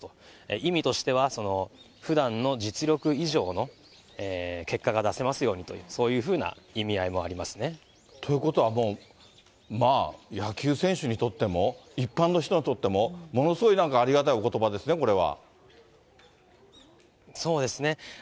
意味としては、ふだんの実力以上の結果が出せますようにと、そういうふうな意味ということはもう、まあ、野球選手にとっても、一般の人にとっても、ものすごい、なんかあそうですね。